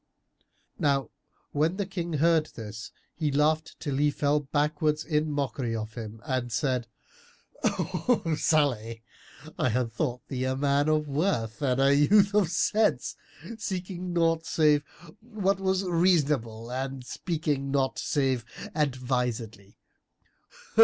Now when the King heard this, he laughed till he fell backwards, in mockery of him and said, "O Salih, I had thought thee a man of worth and a youth of sense, seeking naught save what was reasonable and speaking not save advisedly.